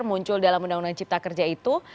muncul dalam undang undang cipta kerja itu